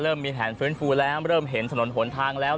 มีแผนฟื้นฟูแล้วเริ่มเห็นถนนหนทางแล้ว